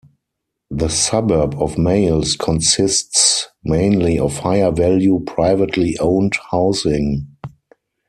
The suburb of Mayals consists mainly of higher value privately owned housing.